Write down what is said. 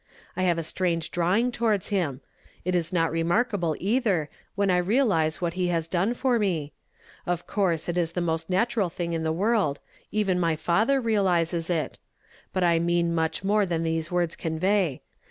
I have a strange drawing tinvards him ; it is not remarkable either, when I realize what he has done for me. Of course it is the most natural feeling in the world — even my father realizes it ; but I mean much more than • »se words convey.